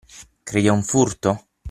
Credi a un furto?